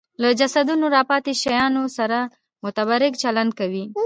له جسدونو راپاتې شیانو سره متبرک چلند کوي